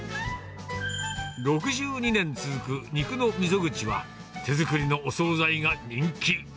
６２年続く肉のミゾグチは、手作りのお総菜が人気。